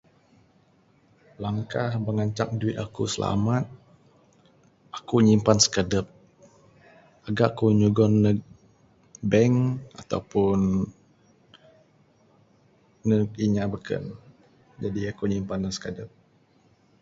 Langkah da ngancak duit aku silamat. Aku nyimpan sikadep, agak ku nyugon neg bank ato pun neg inya beken. Jadi aku nyimpan ne sikadep.